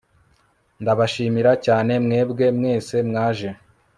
ndabashimira cyane mwebwe mwese mwaje